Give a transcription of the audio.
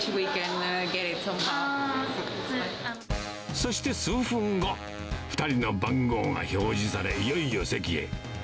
そして数分後、２人の番号が表示され、いよいよ席へ。